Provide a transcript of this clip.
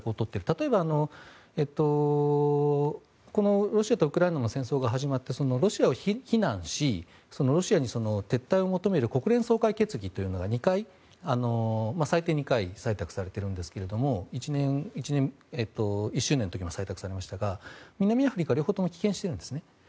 例えば、ロシアとウクライナの戦争が始まってロシアを非難しロシアに撤退を求める国連総会決議というのが最低２回採択されているんですが１周年の時も採択されましたが南アフリカは両方とも棄権しているんですね。